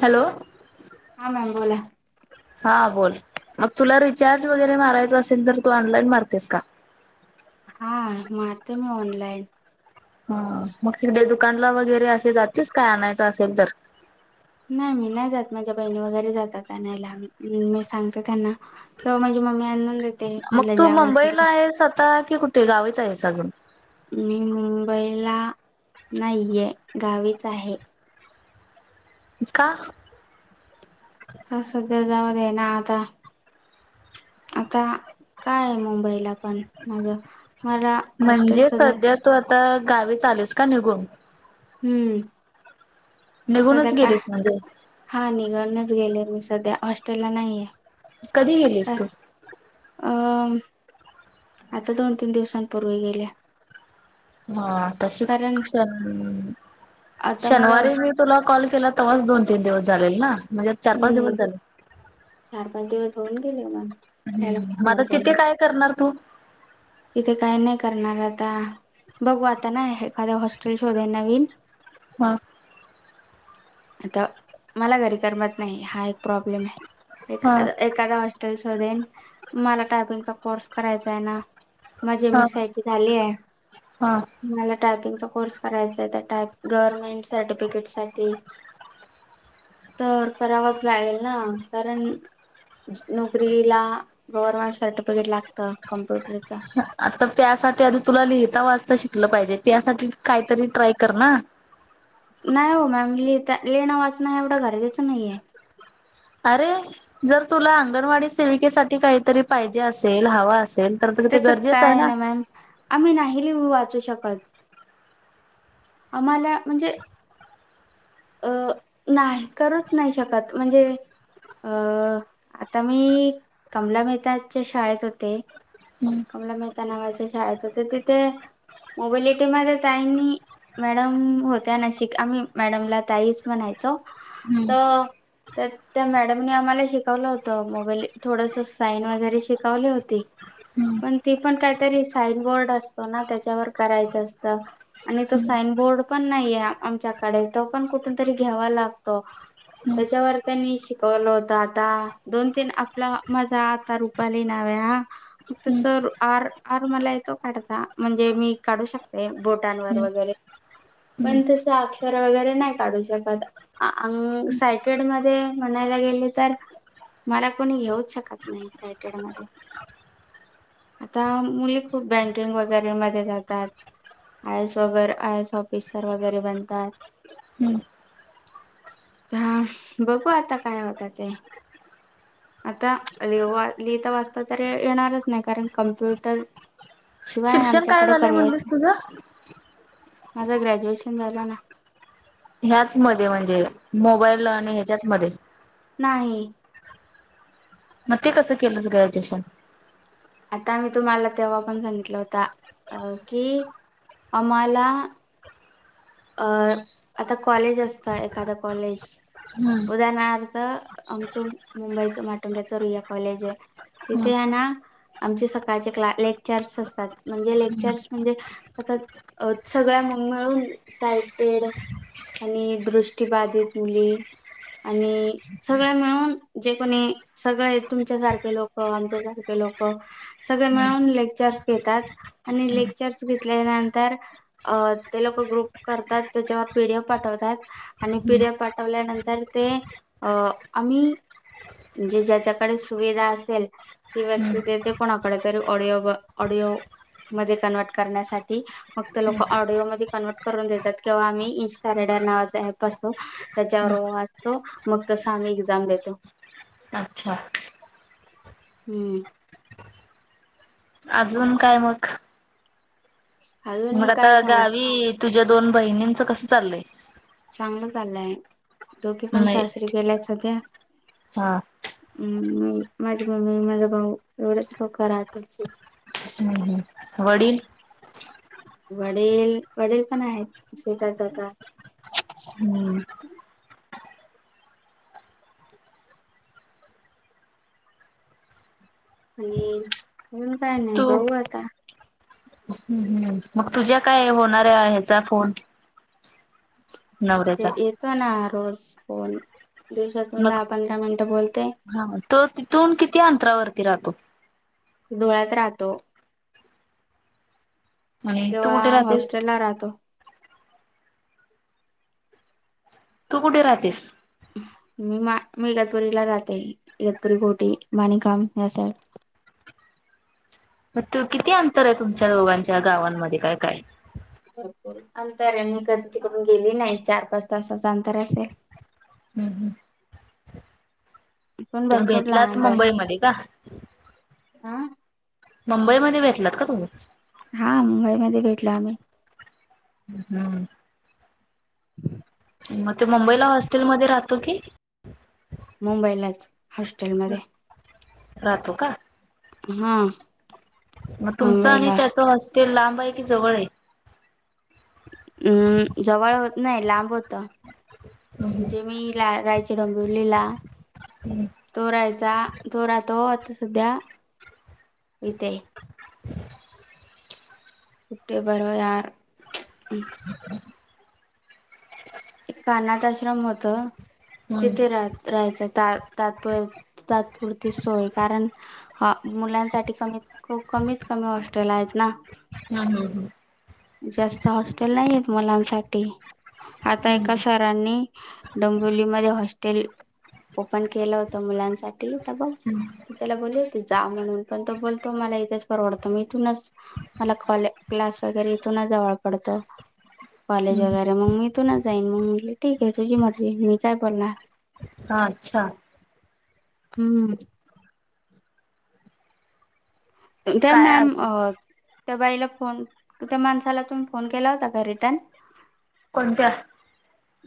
Hello. હા ma'am બોલો હા બોલ મગ તુલા રિચાર્જ વગેરે મારાય છે અશેલ તો તું ઓનલાઈન મારતીસ કા હા મારતેમ ઓનલાઈન હા મ સિડ દુકાન લા વગેરે અશે જાતિ કઈ આય છે અશેલ તો નાય મી નાય જાત [unintelligible] કે મારી મમ્મી આંદે મગ તું મુંબઈ લ આહેસ આતા કી કુટે ગાવ જ આહેસ આઝુન મી મુુંબઈલા નાય ઇયે ગાવે જ આહે કા હા સધ્યા જવાદે ના આ તા આતા કઈ મુુંબઈ લા પણ માજા મારા હોસ્ટેલ સદેવ તો ગાવી ચાલેસ ક નિગો હમ્મ સદા કા હા નિનીગન જ ગેલે મી સધ્યા હોસ્ટેલ નઈએ કદીી ગેલીસ તુ અ આતા દોન તીન દિવસ પૂર્વે ગેલે હા ત શન શનિવારે તુલા કલ કેલા તોસ દોન તીન દિવસ જાલ ના ચાર પાંચ દિવસ હમ મા ત કઈ કરના તુ ત કઈ નહી કરના હતા બગું આતા ના એખાદ હોસ્ટેલ શોધે નવીન હા અ મ ઘરી કરમત નહી હા એક પ્રોબ્લેમ હ એક દાદા હોસ્ટેલ શોધેન મલા ટાાઈપિંગ કોર્સ કરાાય છે, એના માજીી એમએસ સાઈટીલી હ ટાઈપિંગ ચ કોર્સ કરાાય ટાઈપ ગવર્મેન્ટ સર્ટિફિકેટ સા તો કરાવવા જ લાગેલ ના કારણ નોકરી લ ગવર્મેન્ટ સર્ટિફિકેટ લાગત કમ્પ્યુટર ચ તો તે સા આધી તુલા લિહતા વાજતા શિકલ પાજે તે સા કઈ તરી ટ્રાય કરના ના હો મેમ લેતા લેણ વાચના એવડ ગરજે છે, નઈે અરે જર તુલા અંગણવાડી સેવિકે સા કઈ તરી પાયજેલ હવા અલ ત તો કે તે ગરજે જને આમમે ન લિું વાચુ શકત આમાલાજે અ ના કરું જ નહી શકતજે અ આતા મી કમલા મહેતા શાળત હોતે. કમલા મહેતા નાવા છે શાળ તો ત મોબેલિટીમાં તઇની મેડમ હોત ન શી આ મેડમલા તઈસ મનાય તો તો તો મેડમની આમા શિકવલ હતત મોબાઈલ થોડસ સાઈન વગેરે શિકાવલી હોતી. પણ તી પણ કઈ તરી સાઈન બોર્ડતો ના તે પર કરાાય છેત. અને તો સાઈન બોર્ડ પણ નહી આમ કડ તો પણ કુઠુ તરી ઘેવા લાગતો. તે વ તેની શિકવલોતા આતા દોન તન આપલા માજા આતા રૂ પલીનાાવ્યા ફક્ત સર આર આર મલા એ તો કઢતાજ મી કઢુ શકતે બોટા વ પણ અક્ષ વગે ના ક શકત અ સાયટેડ મ મનાલા ગેલે ત મરા કોની ઘવ જ શકત ન એક્સાઇટેડ મ આ મુલી ખૂબ બ બેંકિંગ વગેરે મ જ આઈ એસ વગર આઈ એસ ઓફિસર વગેરે બનત હ બગું આ કઈ હોતા, તે આ લ લિતા વાસતા ત્યારે એના જ ન કારણ કમ્પ્યુટર શિવાય આમચ કડ પર્યાય છે. માધા ગ્રેજ્યુએશન લા ના હ્યાચ મજે મોબાઈલ લ અને હે મ નહી મ તે કસ કેલ ગ્ર્રેજ્યુએશન આ તુમલા તેવા પણ સંગિતલાતા અ કે અમાલા અ આ કલેજતા એાદા કલેજ ઉદાહરણથ આમચ મુુંબઈ માટુંંગ્યા તો રૂયા કલેજે તના આમ સ ક્લા લેક્ચર્સ લેક્ચર્સ આ સગળ મમ્ મેળ એસાઇટેડ અને દૃષ્ટિબધિત મુલી અને [unintelligible] સગળ મેળન જે કોની સગળ તુમ સારખે લોકોક આમચ સારખે લોકોક [unintelligible] સગ મેન લેક્ચર્સ અને લેક્ચર્સ ઘ નંતર [unintelligible] અ તે લોકોક ગ્રુપ કરતા તે, પર પીડીએફ પાઠવત [unintelligible] અને પીઢ્યા પાઠવ્યા નંતર તે અ આ [unintelligible] જે જ્યા કડ સુવિધા અેલ [unintelligible] ત વ્યક્તિ દ કોના ક ત ઓડિયો ઓડિયો મ કન્વર્ટ કર [unintelligible] ફગ તો લોકો ઓડિયો મ કન્વર્ટ કર દે, કે આઇન્સ્ટ નાવા એપસો [unintelligible] ત વ વાતો મગ તસ આમ એક્ઝામ દેો [unintelligible] [unintelligible] હમ. અજન કઈ મગ [unintelligible] મગ આ ગાવી તુજા દોન બહણીચ કસ ચાલલ [unintelligible] ચાંગલ ચાલલય દોગી પણ સાસરી ગલા છેધ્યા [unintelligible] હમ માી મમ્મી માા ભઉ એવડે જ લોકોોકા રાત છે [unintelligible] હમ, હમ. વડીલ. વડલ વડલ પણ શ હતા [unintelligible] હમ. અને હ ક ન બઉુ આ હતા [unintelligible] મ તુજા કઈ હોના હે ફોન [unintelligible] એતોો ના રોજ ફોન દિવસત દા પંદ મનટ બોલતે [unintelligible] હા તો ત તું કિ અંતરા વથી રાતો [unintelligible] ડોળત રાહતો [unintelligible] કેવા હોસ્ટેલ લ રાતો [unintelligible] તું કુટેે રતીસ [unintelligible] મી મા મ ગતપુરી લ રાતે ગતપુરી ઘોટી માનીકામ હ સાઈડ [unintelligible] કિથી અંતર એ તમ દોગા ગાવા મ ક કઈ [unintelligible] ભપૂર અંતર મ કદીી તિકડન ગેલી નહી ચાર પાંચ તાસા અંતર હશે [unintelligible] હમ, હમ. પણ ભરપૂર લાંબ હ હા [unintelligible] મુુંબઈ મ ભેટલાત ક તમ [unintelligible] હા મુુંબઈ મ ભેટલો આમે [unintelligible] હમ. મ તે મુુંબઈલા હોસ્ટેલ મ રાતોું કે [unintelligible] મુુંબઈલા જ હોસ્ટેલ મ [unintelligible] રાતોું ક [unintelligible] હમ. મ તુમચ અને તે હોસ્ટેલ લાંબાય કે જવળ એ [unintelligible] હમ જવળત ન લાંબ હોતો [unintelligible] જ મી લ રાયચ ડોંબિવલીલા [unintelligible] તોોરાયચ તોોરા તો આ સધ્યા એતે [unintelligible] પુટેી બરો યાર [unintelligible] એક કાનાથ આશ્રમ હો હતો [unintelligible] ત રાય છે ત તાપર તાત્પુરતી સોય કારણ [unintelligible] હા મુલા સા ક કમત કમી હોસ્ટેલાય ના [unintelligible] હમ, હમ, હમ. જાસ્ત હોસ્ટેલ નહી મુલા સા [unintelligible] આ એક સરરની ડંબોલી માં હોસ્ટેલ. ઓપન કેલત મુલા સા તો બ [unintelligible] તેલા બોલી્યો હતી જા પણ તો બોતો મને એ જ ફાર આવડતાન મ કોલે ક્લાસ વગેરે જવ પડતો કોલેજ વગેરે મ તું ના જાઈન ઠીકે તુજી મરજી મી કાઈ બોલના હ અચ્છા. હમમમ ત મેમ અ ત બાઈલા ફોન તે માણસાલા તુમ ફોન કેલા હતા કાય રિટર્ન કોન્તા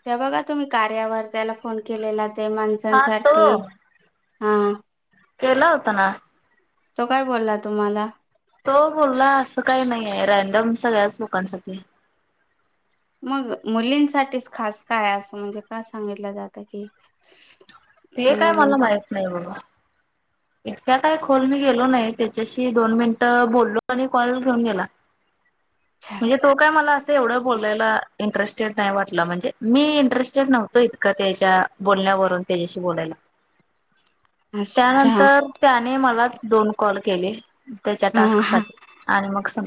તે બગા તુમી કર્યા વાર તેલ ફોન કેલેલા તે માનસા સાઠી હા કેલા ઉતાના તો કાઈ બોલલા તુમાલા તો બોલલા અસા કાઈ નહી રેન્ડમ [unintelligible] મગ મુલી સાઠી ખાસ કાય [unintelligible] તે કાઈ માલ માહિત નાય વ [unintelligible] તેચેસી દોન મિન્ટ બોલલો અને કોલ ઘેઉન ધીલા [unintelligible] મજ તો કાય માલ અસ્તે ઓઢ બોલેલા ઇન્ટરેસ્ટેટ નાય વાટલા મંજે મી ઇન્ટરેસ્ટેડ નહોતો ઇતક તે ચા બોલના વરુણ તેચેસી બોલાયલા અચ્છા તેની માલા જ દોન કોલ કેલે તેચે ટાસ્ક સાઠી અન મગ સા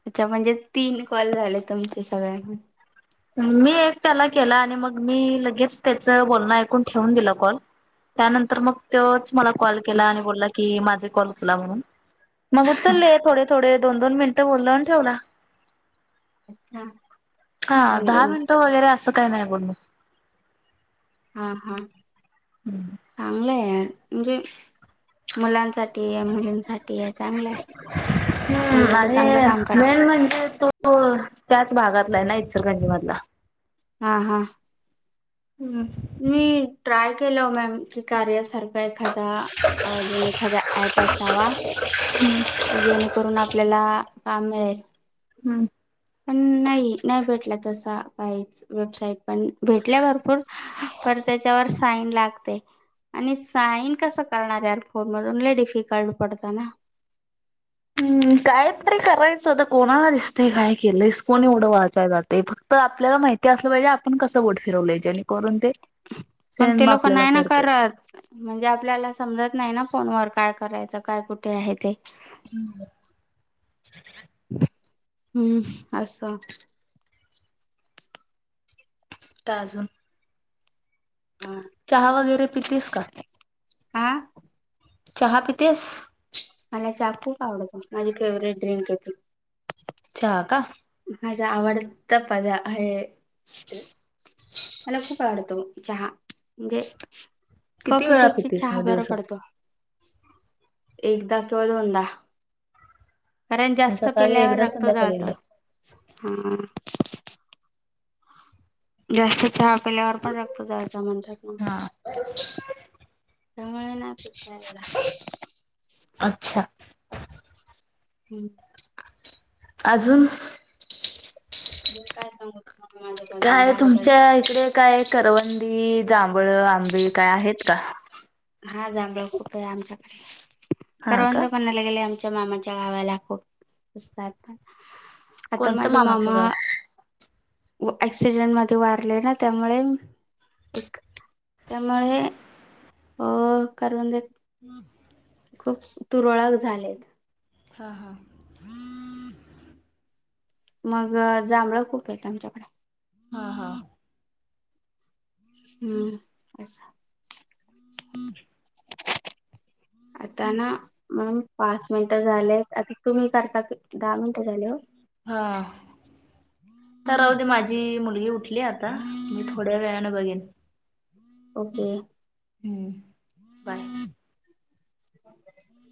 ટેચા મંજ તીન કોલ ઝાલે તુમચે [unintelligible] મી એક તેલા કેલા અને મગ મી લગેજ તેચ બોલના આયકુન થેવુંન દીલા કોલ તે નંતર મગ તોજ માલ કોલ કેલા અને બોલલા કી માઝા કોલ ઉંચલા વરુણ મગ ઉંચલલે થોડે થોડે દો દોન મનિટે બોલવને ઠેવલા. અચ્છા. હા દા મિનટો વગેરે અ સા કઈ ન બોદો. હા હા. હમ. હાગલે યાર મુ મુલા સાથે. મુલી સા એ ચાંગલે એ લોકોક ચાંગલ કામ કરતા મન જર તો. તો ત જ ભાગત લય ના સલ ગંજમાદલા [inaudible] હા હા. હમ. મી ટ્રાય કેલો મેમ. કાર્યા સારખા એખાદા અ અનુએ ખાદા એપસ સવા. એને કરોના આ પેલા કામ મેળલ. હમ. પણ નહી ન ભેટલા તસા કઈ વેબસાઇટ પણ ભેટલા ભરપૂર પરતા વ સાઈન લાગ તે અને સાઈન કસ કળનાર ફોન મલે ડિફિકલ્ટ પડતા ના. હમ કઈ તરી કરય છે તો કોના દસત કઈ કેલસ કોને એવડ વાંચાય જ ફક્ [inaudible] તો આપલા માહિતી આપલજે આપણ કસ બોટ ફિરવ લ જેને કર તે [inaudible] પણ તે લોકોક ના ના કરત. જ આપલા સમજત ન ના ફોન વ કઈ કરાય છે કઈ કુઠે હ તે [inaudible] હમ. હમ આસ કાઝુ. [inaudible] ચા વગેરે પીતીસ કા. હા. ચાહ પીતાસ. મને ચા ખૂબ આવડતો, મારી ફેવરેટ ડ્રિંક હતી. ચા કાં. માજા આડતા, પદ હમ, ખબ. પાડતો ચાય, કોફી પેક્ષી ચહેરા બરો પડતો. એકદા ક દોનદા. કારણ જાસ્ત પીલાવ રક્ત જળત હા. [unintelligible] જાસ્ત ચા પીવાથી, પણ રક્ત જ મનતા. મ ના પચારલા. [unintelligible] અચ્છા. હમ. આ શું? બ ક. [unintelligible] કઈ તુમ કડ, કઈ કરવંદી, જાંબુ, આંબા કઈ ક. હા, જાંબુ ખૂબ આમ ક કરવાંધો પણ. આમ મામા ગામા ખૂબ પ પણ. [unintelligible] આજે મારી મમ્મા. એક્સિડન્ટમાં વારલે તેમ એક. તેમ. ઓ કર દ. વાહ. ખૂબ તુરળકલે. હા. મગ જાંબુ ખૂબ એ આમ કડ. હા, હા. હમ, એસ. હમ. આ ના, મેં પાંચ મિનિટ લેતું એમ કરતા દા મન. હા. ત આવડી, મારી મુલગી ઉઠલી આતા. હું થોડું વળીને બગીન. ઓકે. હમ, બાય. હમ.